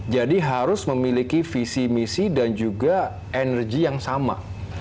jadi harus memiliki visi misi dan juga energi yang sama